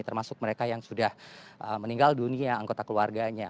termasuk mereka yang sudah meninggal dunia anggota keluarganya